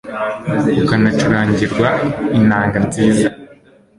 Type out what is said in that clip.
ukanacurangirwa inanga nziza